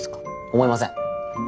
思いません。